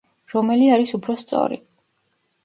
რომელი არის უფრო სწორი?